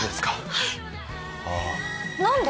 はいあっ何で？